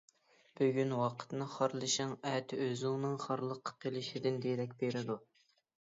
بۈگۈن ۋاقىتنى خارلىشىڭ ئەتە ئۆزۈڭنىڭ خارلىققا قېلىشىدىن دېرەك بېرىدۇ.